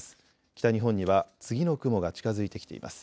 北日本には次の雲が近づいてきています。